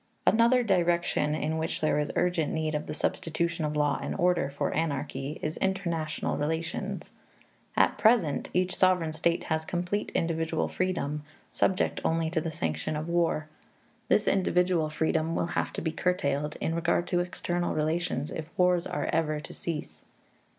Another direction in which there is urgent need of the substitution of law and order for anarchy is international relations. At present, each sovereign state has complete individual freedom, subject only to the sanction of war. This individual freedom will have to be curtailed in regard to external relations if wars are ever to cease.